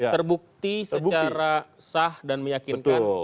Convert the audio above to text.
terbukti secara sah dan meyakinkan